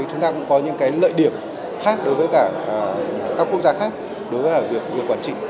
chúng ta cũng có những cái lợi điểm khác đối với cả các quốc gia khác đối với cả việc quản trị